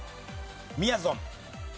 みやぞん。